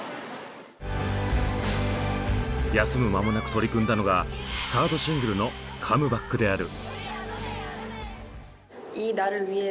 休む間もなく取り組んだのがサードシングルのカムバックである。